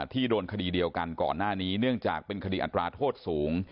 โดนคดีเดียวกันก่อนหน้านี้เนื่องจากเป็นคดีอัตราโทษสูง